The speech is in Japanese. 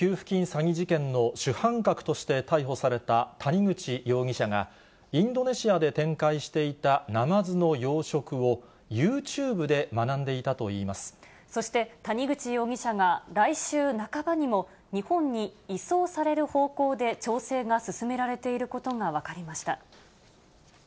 詐欺事件の主犯格として逮捕された谷口容疑者が、インドネシアで展開していたナマズの養殖を、ユーチューブで学んそして、谷口容疑者が来週半ばにも、日本に移送される方向で調整が進められていることが分かりました。